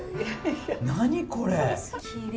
何これ。